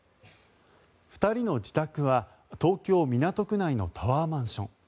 ２人の自宅は東京・港区内のタワーマンション。